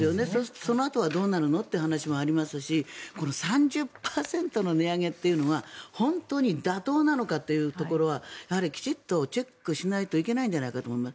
そのあとはどうなるのという話もありますし３０％の値上げというのは本当に妥当なのかというところはやはりきちんとチェックしないといけないんじゃないかと思います。